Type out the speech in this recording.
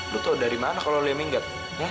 lu tau dari mana kalau dia minggat